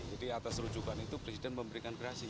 jadi atas rujukan itu presiden memberikan gerasi